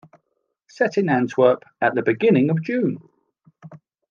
Set in Antwerp at the beginning of June.